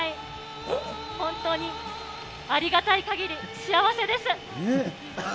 本当にありがたいかぎり、幸せです。